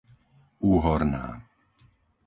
Úhorná